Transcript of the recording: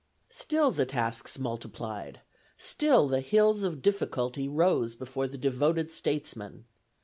Still the tasks multiplied; still the Hills of Difficulty rose before the devoted statesman.